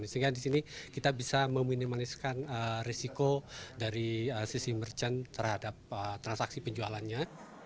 sehingga disini kita bisa meminimalisikan resiko dari sisi merchant terhadap transaksi penjualannya